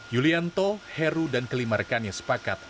yulianto heru dan kelima rekan yang sepakat